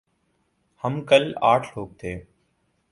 ہم کل آٹھ لوگ تھے ۔